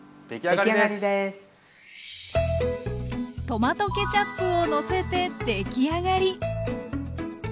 トマトケチャップをのせてできあがり！